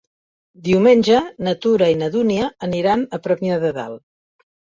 Diumenge na Tura i na Dúnia aniran a Premià de Dalt.